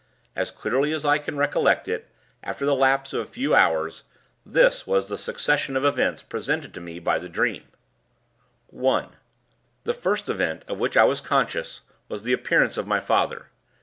As clearly as I can recollect it, after the lapse of a few hours, this was the succession of events presented to me by the dream: "1. The first event of which I was conscious was the appearance of my father.